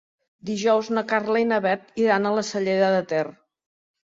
Dijous na Carla i na Bet iran a la Cellera de Ter.